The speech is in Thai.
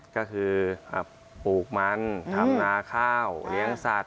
ก็คือปลูกมันทำนาข้าวเลี้ยงสัตว